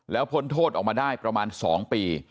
แล้วพ้นโทษออกมาได้ประมาณ๒ปี